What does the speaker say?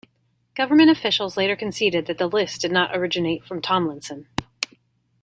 Government officials later conceded that the list did not originate from Tomlinson.